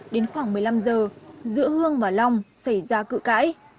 đến khoảng một mươi năm giờ giữa hương và long xảy ra cự cãi